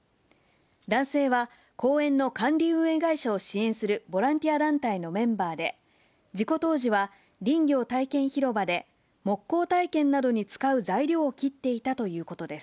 男性は公園の管理運営会社を支援するボランティア団体のメンバーで、事故当時は林業体験広場で、木工体験などに使う材料を切っていたということです。